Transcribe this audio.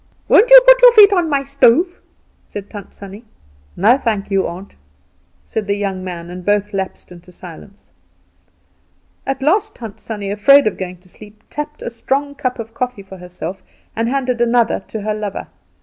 "Won't you put your feet on my stove?" said Tant Sannie. "No thank you, aunt," said the young man, and both lapsed into silence. At last Tant Sannie, afraid of going to sleep, tapped a strong cup of coffee for herself and handed another to her lover.